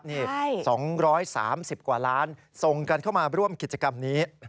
ใช่คุณผู้ชมส่ง๒๓๐กว่าล้านส่งกันเข้ามาร่วมกิจกรรมนี้